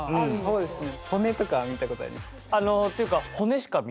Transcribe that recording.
そうですよね。